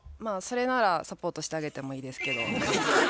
それならサポートしてあげてもいいですけど。